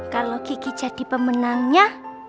kalau kiki jadi pemenangnya